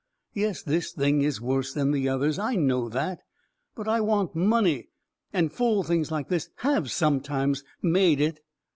Yes, this thing is worse than the others. I know that. But I want money and fool things like this HAVE sometimes made it.